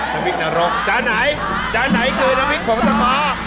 อ๋อน้ำพริกนรกจะไหนจะไหนคือน้ำพริกผงตะคอ